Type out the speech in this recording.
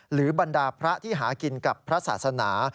บรรดาพระที่หากินกับพระศาสนา